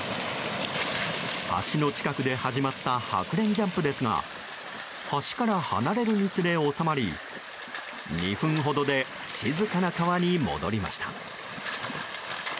橋の近くで始まったハクレンジャンプですが橋から離れるにつれ収まり２分ほどで静かな川に戻りました。